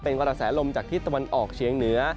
เป็นกระแสลมจากทิศตะวันออกเฉียงเหนือ